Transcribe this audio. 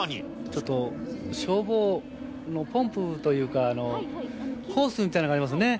ちょっと、消防のポンプというか、ホースみたいのがありますね。